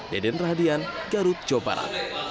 deden radian garut copara